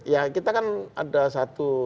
ya kita kan ada satu